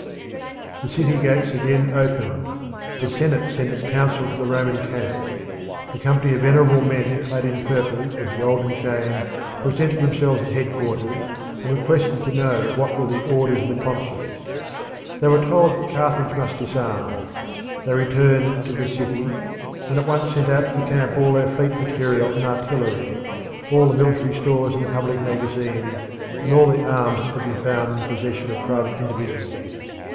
The city gates again opened. The Senate sent its council to the Roman camp. A company of venerable men clad in purple, with golden chains, presented themselves at headquarters and requested to know what were the "orders of the consuls." They were told that Carthage must disarm. They returned to the city and at once sent out to the camp all their fleet material and artillery, all the military stores in the public magazines, and all the arms that could be found in the possession of private individuals.